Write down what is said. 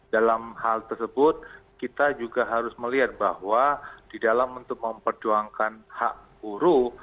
dalam hal tersebut kita juga harus melihat bahwa di dalam untuk memperjuangkan hak buruh